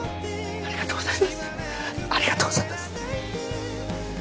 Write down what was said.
ありがとうございます。